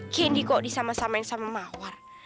heeh candy kok disama sama yang sama mawar